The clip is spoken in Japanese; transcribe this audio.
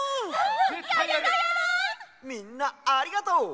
みんなありがとう！